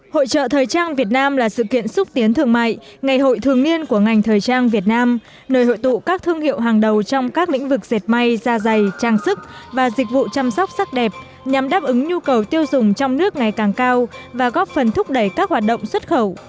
hội trợ thời trang việt nam là sự kiện xúc tiến thương mại ngày hội thường niên của ngành thời trang việt nam nơi hội tụ các thương hiệu hàng đầu trong các lĩnh vực dệt may da dày trang sức và dịch vụ chăm sóc sắc đẹp nhằm đáp ứng nhu cầu tiêu dùng trong nước ngày càng cao và góp phần thúc đẩy các hoạt động xuất khẩu